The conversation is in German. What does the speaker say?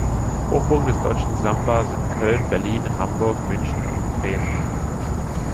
Hochburgen des deutschen Samba sind Köln, Berlin, Hamburg, München und Bremen.